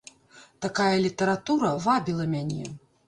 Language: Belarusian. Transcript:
Такая літаратура вабіла мяне.